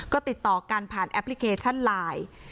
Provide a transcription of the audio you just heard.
ก็ติดต่อกันผ่านแอปพลิเคชันไลน์